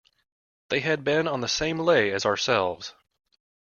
They had been on the same lay as ourselves.